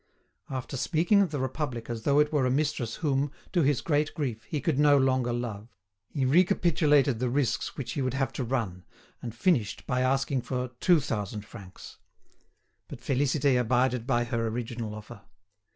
After speaking of the Republic as though it were a mistress whom, to his great grief, he could no longer love, he recapitulated the risks which he would have to run, and finished by asking for two thousand francs. But Félicité abided by her original offer.